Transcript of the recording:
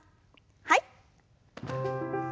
はい。